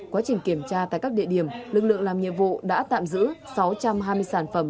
quá trình kiểm tra tại các địa điểm lực lượng làm nhiệm vụ đã tạm giữ sáu trăm hai mươi sản phẩm